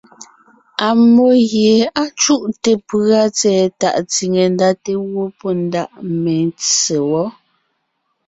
Ammó gie á cúte pʉ̀a tsɛ̀ɛ tàʼ tsìne ndá te gẅɔ́ pɔ́ ndaʼ metse wɔ́.